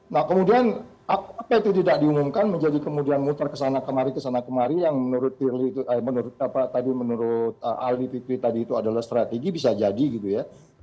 nah kemudian apa itu tidak diumumkan menjadi kemudian muter kesana kemari kesana kemari yang menurut aldi fitri tadi itu adalah strategi bisa jadi gitu ya